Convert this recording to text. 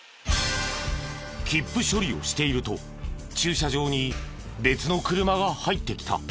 切符処理をしていると駐車場に別の車が入ってきた。